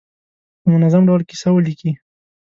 په منظم ډول کیسه ولیکي.